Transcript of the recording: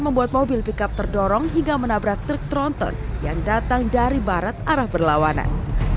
membuat mobil pickup terdorong hingga menabrak truk tronton yang datang dari barat arah berlawanan